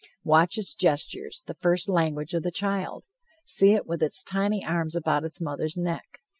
Watch its gestures, the first language of the child! See it with its tiny arms about its mother's neck.